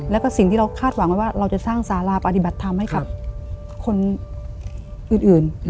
แล้วก็สิ่งที่เราคาดหวังไว้ว่าเราจะสร้างสาราปฏิบัติธรรมให้กับคนอื่น